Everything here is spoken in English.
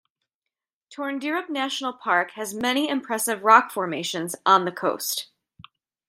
Torndirrup National Park has many impressive rock formations on the coast.